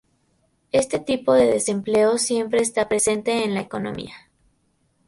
Este tipo de desempleo siempre está presente en la economía.